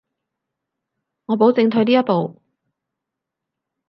我保證退呢一步